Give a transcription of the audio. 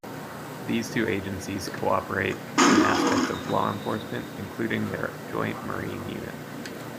These two agencies co-operate in aspects of law enforcement, including their joint marine unit.